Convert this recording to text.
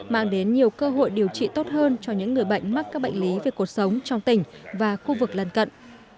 mang đến nhiều cơ hội điều trị tốt hơn cho những người bệnh mắc các bệnh lý về cuộc sống trong tỉnh và khu vực lần cận